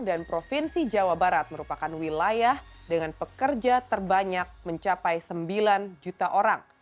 dan provinsi jawa barat merupakan wilayah dengan pekerja terbanyak mencapai sembilan juta orang